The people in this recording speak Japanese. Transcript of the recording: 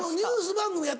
番組やっ